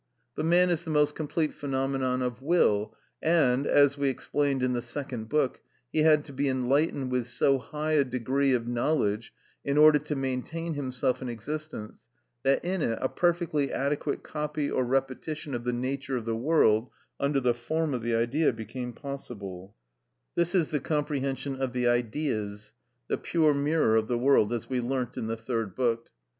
But man is the most complete phenomenon of will, and, as we explained in the Second Book, he had to be enlightened with so high a degree of knowledge in order to maintain himself in existence, that in it a perfectly adequate copy or repetition of the nature of the world under the form of the idea became possible: this is the comprehension of the Ideas, the pure mirror of the world, as we learnt in the Third Book.